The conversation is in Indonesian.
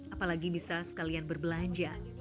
apalagi bisa sekalian berbelanja